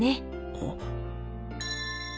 あっ。